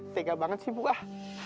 tinggal banget sih bu ah